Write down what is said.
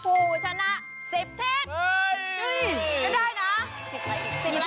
ผู้ชนะ๑๐ทิศ